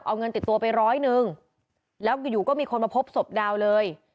เอาเงินติดตัวไปร้อยหนึ่งแล้วอยู่ก็มีคนมาพบศพดาวเลย